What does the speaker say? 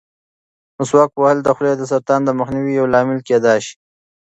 مسواک وهل د خولې د سرطان د مخنیوي یو لامل کېدای شي.